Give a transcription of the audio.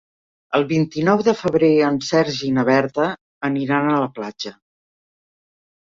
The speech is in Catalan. El vint-i-nou de febrer en Sergi i na Berta aniran a la platja.